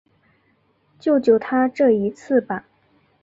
救救他这一次吧